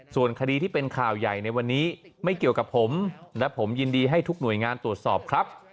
ส่วนคดีที่เป็นข่าวใหญ่ในวันนี้ไม่เกี่ยวกับผมและผมยินดีให้ทุกหน่วยงานตรวจสอบครับ